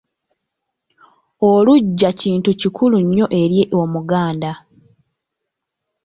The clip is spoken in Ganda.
Oluggya kintu kikulu nnyo eri omuganda.